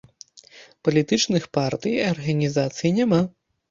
Палітычных партый і арганізацый няма.